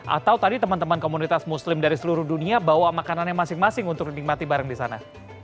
atau tadi teman teman komunitas muslim dari seluruh dunia bawa makanannya masing masing untuk nikmati bareng di sana